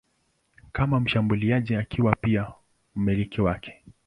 kama mshambuliaji akiwa pia mmiliki wake.